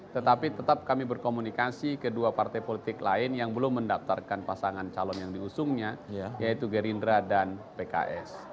tetapi tetap kami berkomunikasi ke dua partai politik lain yang belum mendaftarkan pasangan calon yang diusungnya yaitu gerindra dan pks